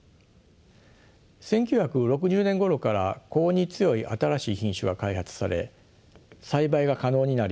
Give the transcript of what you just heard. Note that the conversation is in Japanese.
１９６０年ごろから高温に強い新しい品種が開発され栽培が可能になり